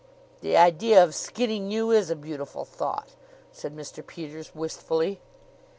"The idea of skinning you is a beautiful thought!" said Mr. Peters wistfully.